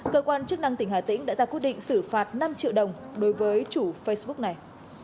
cơ quan chức năng tỉnh hà tĩnh đã ra quyết định xử phạt năm triệu đồng đối với chủ facebook này